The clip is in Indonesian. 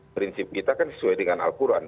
prinsip kita kan sesuai dengan al quran